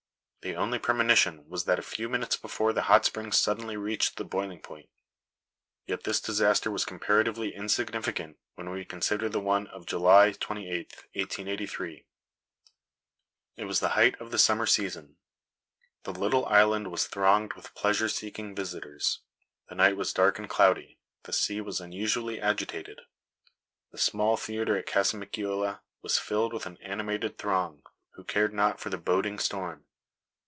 The only premonition was that a few minutes before the hot springs suddenly reached the boiling point. Yet this disaster was comparatively insignificant when we consider the one of July 28, 1883. It was the height of the summer season. The little island was thronged with pleasure seeking visitors. The night was dark and cloudy; the sea was unusually agitated. The small theatre at Casamicciola was filled with an animated throng, who cared not for the boding storm.